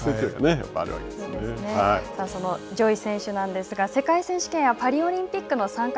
そのジョイ選手なんですが、世界選手権やパリオリンピックの参加